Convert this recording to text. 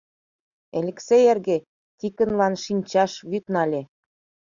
Элексей эрге Тикынлан шинчаш вӱд нале.